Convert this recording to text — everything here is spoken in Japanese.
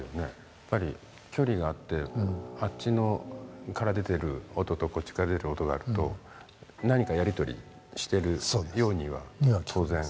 やっぱり距離があってあっちから出てる音とこっちから出る音があると何かやり取りしてるようには当然。